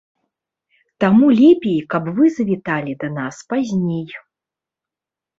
Таму лепей каб вы завіталі да нас пазней.